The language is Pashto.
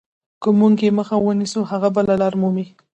که موږ یې مخه ونیسو هغه بله لار مومي.